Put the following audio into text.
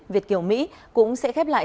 việt kiều mỹ cũng sẽ khép lại